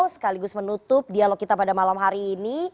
sekaligus menutup dialog kita pada malam hari ini